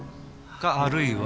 かあるいは。